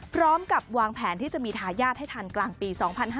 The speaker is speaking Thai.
พร้อมกับวางแผนที่จะมีทายาทให้ทันกลางปี๒๕๕๙